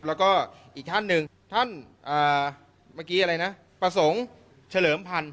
แล้วก็อีกท่านหนึ่งท่านเมื่อกี้อะไรนะประสงค์เฉลิมพันธ